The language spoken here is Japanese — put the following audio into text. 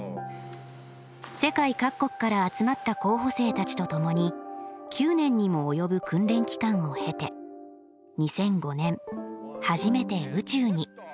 世界各国から集まった候補生たちと共に９年にも及ぶ訓練期間を経て２００５年初めて宇宙に。